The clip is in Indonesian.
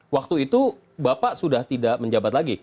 waktu itu bapak sudah tidak menjabat lagi